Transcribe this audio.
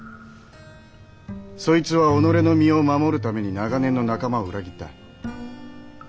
そいつは己の身を守るために長年の仲間を裏切った。